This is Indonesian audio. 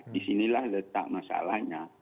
disinilah letak masalahnya